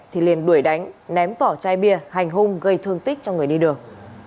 thì liền đuổi đánh ném vỏ chai bia hành hung gây thương tích cho người đi đường